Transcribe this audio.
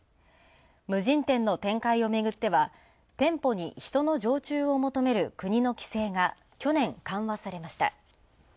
無人店の展開をめぐっては店舗に人の常駐を求める国の規制が去年、緩和されました。